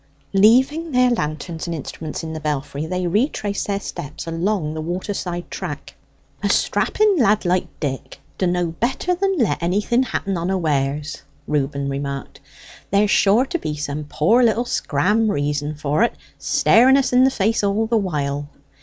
Leaving their lanterns and instruments in the belfry they retraced their steps along the waterside track. "A strapping lad like Dick d'know better than let anything happen onawares," Reuben remarked. "There's sure to be some poor little scram reason for't staring us in the face all the while."